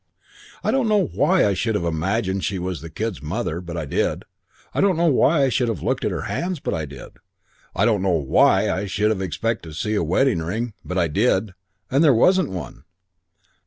"I don't know why I should have imagined she was the kid's mother, but I did. I don't know why I should have looked at her hands, but I did. I don't know why I should have expected to see a wedding ring, but I did. And there wasn't one.